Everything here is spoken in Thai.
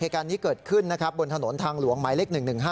เหตุการณ์นี้เกิดขึ้นนะครับบนถนนทางหลวงหมายเลข๑๑๕